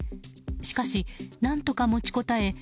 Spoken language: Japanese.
しかし、何とか持ちこたえ